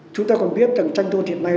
chúng ta còn biết rằng tranh thôn hiện nay